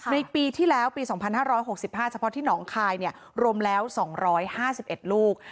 ปีที่แล้วปี๒๕๖๕เฉพาะที่หนองคายรวมแล้ว๒๕๑ลูก